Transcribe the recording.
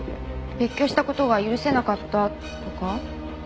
別居した事が許せなかったとか？